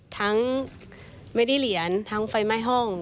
ทั้งไม่ได้เหรียญทั้งไฟไหม้ห้อง